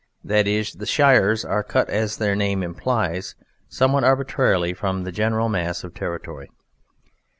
That is, the shires are cut as their name implies, somewhat arbitrarily, from the general mass of territory.